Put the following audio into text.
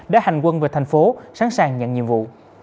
đã hành quân về thành phố sẵn sàng nhận nhiệm vụ